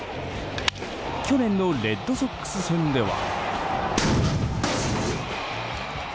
去年のレッドソックス戦では。